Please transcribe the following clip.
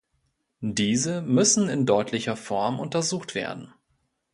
Diese müssen in deutlicher Form untersucht werden.